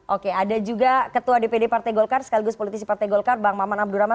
oke ada juga ketua dpd partai golkar sekaligus politisi partai golkar bang maman abdurrahman